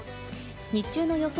日中の予想